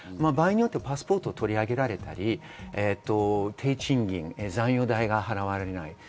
場合によってはパスポートを取り上げられたり、低賃金、残余代が払われない。